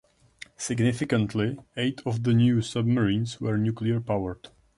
Significantly, eight of the new submarines were nuclear-powered.